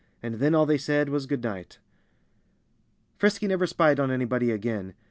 And then all they said was "Good night!" Frisky never spied on anybody again.